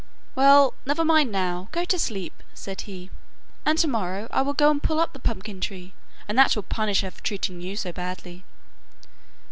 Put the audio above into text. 'Well, never mind now go to sleep,' said he, 'and to morrow I will go and pull up the pumpkin tree, and that will punish her for treating you so badly.